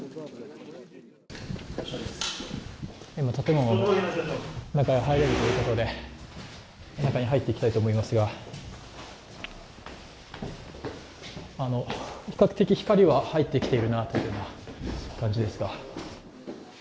今、建物の中に入れるということで中に入っていきたいと思いますが、比較的光りは入ってきているなという感じです。